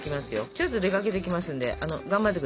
ちょっと出かけてきますんで頑張ってくださいね。